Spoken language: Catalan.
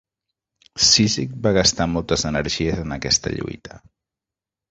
Cízic va gastar moltes energies en aquesta lluita.